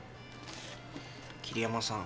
霧山さん。